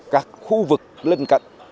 các khu vực lân cận